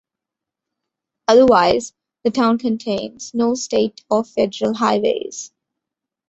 Otherwise, the town contains no state or federal highways.